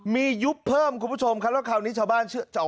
มียุบเพิ่มคุณผู้ชมครับแล้วคราวนี้ชาวบ้านเชื่อ